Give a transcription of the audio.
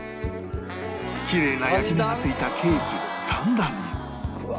きれいな焼き目が付いたケーキを３段に